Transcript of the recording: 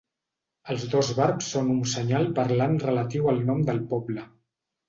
Els dos barbs són un senyal parlant relatiu al nom del poble.